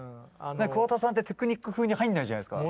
桑田さんってテクニックふうに入んないじゃないですか。